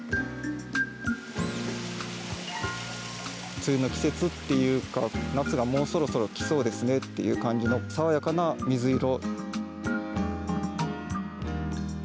梅雨の季節っていうか夏がもうそろそろきそうですねという感じのさわやかな水色。